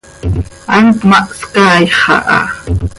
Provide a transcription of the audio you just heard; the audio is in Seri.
Hant ma hscaaix aha.